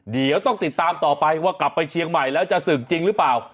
เดี๋ยวต้องติดตามต่อไปว่ากลับไปเชียงใหม่แล้วจะศึกจริงหรือเปล่า